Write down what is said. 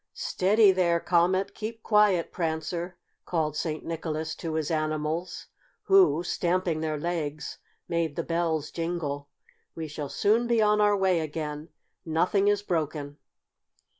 "Steady there, Comet! Keep quiet, Prancer!" called St. Nicholas to his animals, who, stamping their legs, made the bells jingle. "We shall soon be on our way again. Nothing is broken."